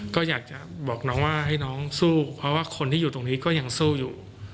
ก็อยากจะบอกน้องว่าให้น้องสู้เพราะว่าคนที่อยู่ตรงนี้ก็ยังสู้อยู่